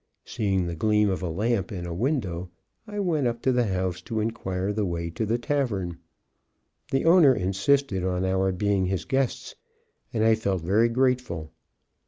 Seeing the gleam of a lamp in a window, I went up to the house to inquire the way to the tavern. The owner insisted on our being his guests, and I felt very grateful.